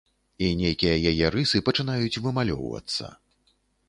І нейкія яе рысы пачынаюць вымалёўвацца.